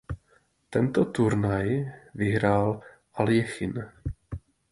Tento turnaj vyhrál Aljechin.